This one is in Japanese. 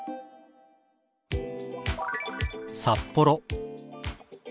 「札幌」。